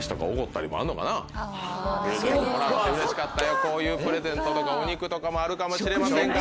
こういうプレゼントとかお肉とかもあるかもしれませんが。